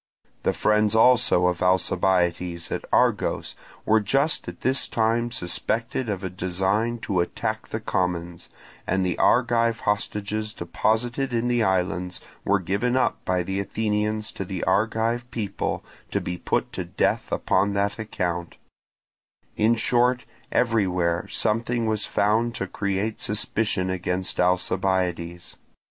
The friends also of Alcibiades at Argos were just at this time suspected of a design to attack the commons; and the Argive hostages deposited in the islands were given up by the Athenians to the Argive people to be put to death upon that account: in short, everywhere something was found to create suspicion against Alcibiades.